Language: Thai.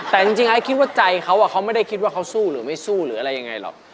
แต่จริงไอ้คิดว่าใจเขาเขาไม่ได้คิดว่าเขาสู้หรือไม่สู้หรืออะไรยังไงหรอก